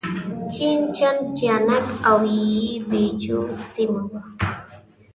جين چنګ جيانګ او يي جو سيمه وه.